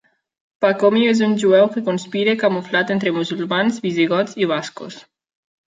Pacomio és un jueu que conspira camuflat entre musulmans, visigots i bascos.